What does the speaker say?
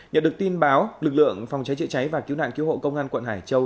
nhận được tin báo lực lượng phòng cháy chữa cháy và cứu nạn cứu hộ công an quận hải châu